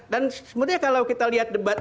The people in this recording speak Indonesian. dan sebenarnya kalau kita lihat debat